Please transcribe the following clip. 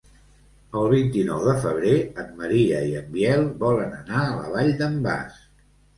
El vint-i-nou de febrer en Maria i en Biel volen anar a la Vall d'en Bas.